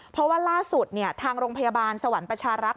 เพราะว่าล่าสุดทางโรงพยาบาลสวรรค์ประชารักษ์